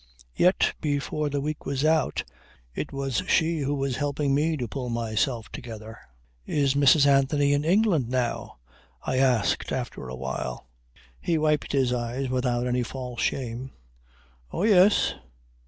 Yet before the week was out it was she who was helping me to pull myself together." "Is Mrs. Anthony in England now?" I asked after a while. He wiped his eyes without any false shame. "Oh yes."